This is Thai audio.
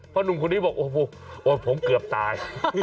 เพราะหนุ่มคนนี้บอกโอ้โหผมเกือบตาย